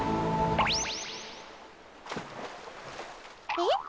えっ？